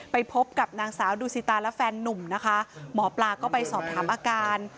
ไปพบกับนางสาวดูสิตาและแฟนนุ่มนะคะหมอปลาก็ไปสอบถามอาการ